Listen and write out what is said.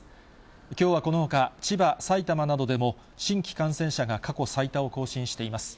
きょうはこのほか、千葉、埼玉などでも新規感染者が過去最多を更新しています。